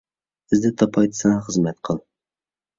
ئىززەت تاپاي دىسەڭ خىزمەت قىل.